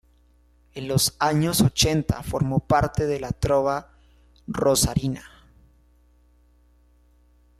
En los años ochenta formó parte de la Trova Rosarina.